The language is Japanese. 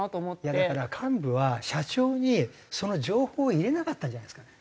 いやだから幹部は社長にその情報を入れなかったんじゃないですかね。